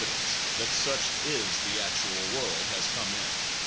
] APPENDIX dence that such is the actual world has come in.